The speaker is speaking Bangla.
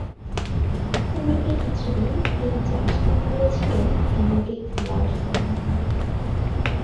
পূর্বে কিছুদিন এই জার্সি পরেছিলেন হেনরিক লারসন।